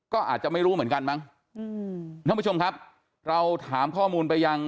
ก็อาจจะไม่รู้เหมือนกันมั้งอืมท่านผู้ชมครับเราถามข้อมูลไปยัง